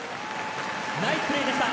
ナイスプレーでした。